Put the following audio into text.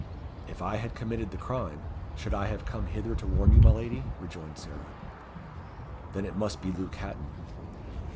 "If I had committed the crime, should I have come hither to warn you, my lady?" rejoined Sarah. "Then it must be Luke Hatton."